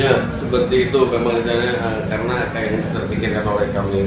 ya seperti itu karena kaya yang terpikirkan kami